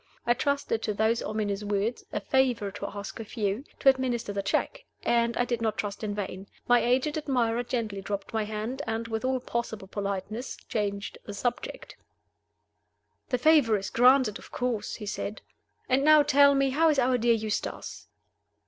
I trusted to those ominous words, "a favor to ask of you," to administer the check, and I did not trust in vain. My aged admirer gently dropped my hand, and, with all possible politeness, changed the subject. "The favor is granted, of course!" he said. "And now, tell me, how is our dear Eustace?"